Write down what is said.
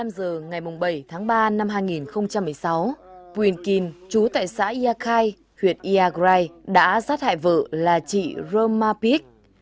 một mươi năm giờ ngày bảy tháng ba năm hai nghìn một mươi sáu quyền kinh chú tại xã yagrai huyện yagrai đã giết hại vợ là chị roma pich